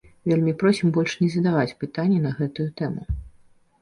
Вельмі просім больш не задаваць пытанні на гэтую тэму.